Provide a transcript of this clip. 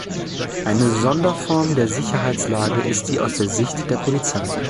Eine Sonderform der Sicherheitslage ist die aus der Sicht der Polizei.